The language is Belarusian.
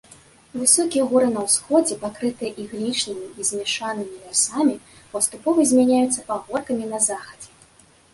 Высокія горы на ўсходзе, пакрытыя іглічнымі і змяшанымі лясамі, паступова змяняюцца пагоркамі на захадзе.